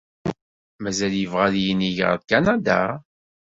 Mazal yebɣa ad yinig ɣer Kanada?